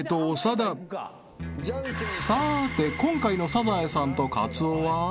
［さて今回のサザエさんとカツオは？］